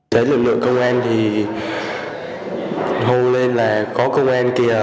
để lực lượng công an thì hôn lên là có công an kìa